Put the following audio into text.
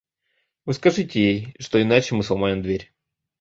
Вы скажите ей, что иначе мы сломаем дверь.